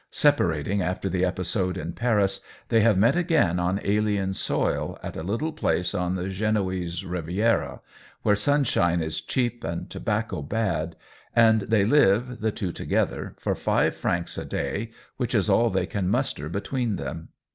Separat ing after the episode in Paris, they have met again on alien soil, at a little place on the Genoese Riviera, where sunshine is cheap and tobacco bad, and they live (the two to gether) for five francs a day, which is all they can muster between them.